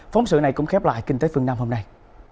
phóng sự này cũng khép lại kinh tế phương nam hôm nay